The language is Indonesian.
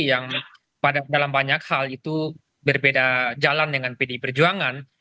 yang dalam banyak hal itu berbeda jalan dengan pdi perjuangan